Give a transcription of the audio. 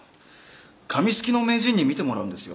紙すきの名人に見てもらうんですよ。